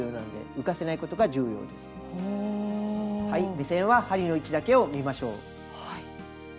目線は針の位置だけを見ましょう。